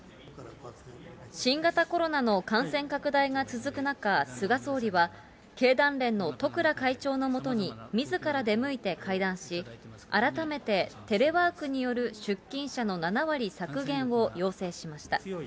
新型コロナの感染拡大が続く中、菅総理は経団連の十倉会長のもとにみずから出向いて会談し、改めてテレワークによる出勤者の７割削減を要請しました。